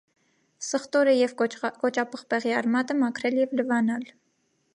Սխտորը և կոճապղպեղի արմատը մաքրել և լվանալ։